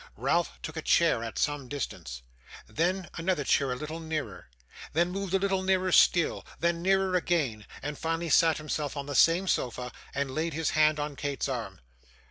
Ralph took a chair at some distance; then, another chair a little nearer; then, moved a little nearer still; then, nearer again, and finally sat himself on the same sofa, and laid his hand on Kate's arm.